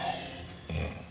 うん。